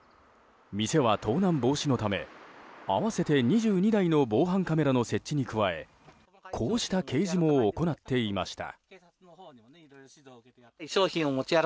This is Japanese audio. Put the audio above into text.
店は盗難防止のため合わせて２２台の防犯カメラの設置に加えこうした掲示も行っていました。